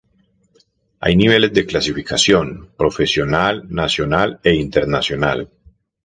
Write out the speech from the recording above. Hay niveles de la clasificación: Provisional, Nacional e Internacional.